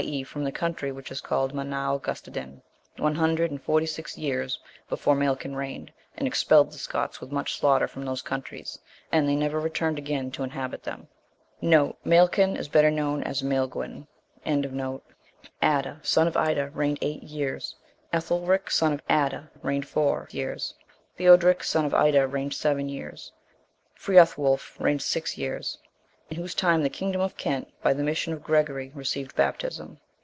e. from the country which is called Manau Gustodin, one hundred and forty six years before Mailcun reigned, and expelled the Scots with much slaughter from those countries, and they never returned again to inhabit them. * Better known as Maelgwn. 63. Adda, son of Ida, reigned eight years; Ethelric, son of Adda, reigned four years. Theodoric, son of Ida, reigned seven years. Freothwulf reigned six years. In whose time the kingdom of Kent, by the mission of Gregory, received baptism.